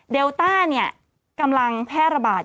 เดลต้าเนี่ยกำลังแพร่ระบาด